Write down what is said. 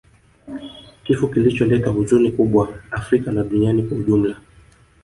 kifo kilicholeta huzuni kubwa Afrika na duniani kwa ujumla